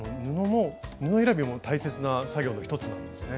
布選びも大切な作業の一つなんですね。